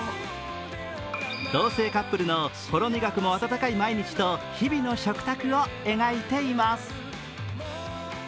同性カップルのほろ苦くも温かい毎日と日々の食卓を描いています。